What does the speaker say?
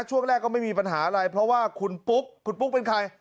ช่วงแรกก็ไม่มีปัญหาอะไรเพราะว่าคุณปุ๊กคุณปุ๊กเป็นใคร